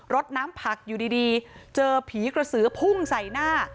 รถน้ำผักอยู่ดีเจอผีกระสือพุ่งใส่หน้า